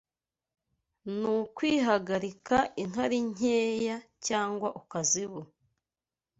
n kwihagarika inkari nkeya cyangwa ukazibura